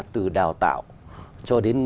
từ đào tạo cho đến